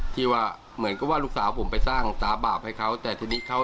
ที่ว่าเหมือนก็ว่าลูกสาวผมไปสร้างตาบาปให้เขา